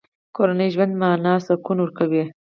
کورنۍ ژوند ته مانا او سکون ورکوي.